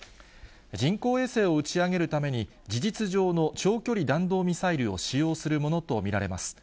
人工衛星を打ち上げるために、事実上の長距離弾道ミサイルを使用するものと見られます。